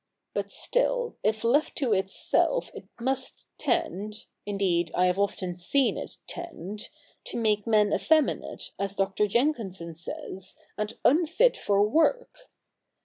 But still, if left to itself, it must tend— indeed, I have often seen it tend — to make men effeminate, as Dr. Jenkinson says, and unfit for work.